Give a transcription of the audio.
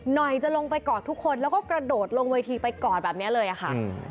หน่อยจะลงไปกอดทุกคนแล้วก็กระโดดลงเวทีไปกอดแบบนี้เลยค่ะ